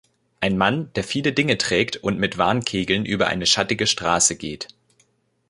Ein Mann, der viele Dinge trägt und mit Warnkegeln über eine schattige Straße geht.